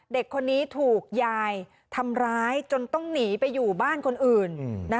เด็กคนนี้ถูกยายทำร้ายจนต้องหนีไปอยู่บ้านคนอื่น